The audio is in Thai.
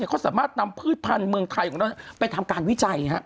เขาสามารถนำพืชพันธุ์เมืองไทยของเราไปทำการวิจัย